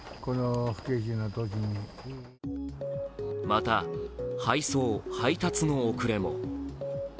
また配送・配達の遅れも。